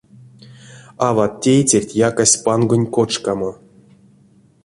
Ават-тейтерть якасть пангонь кочкамо.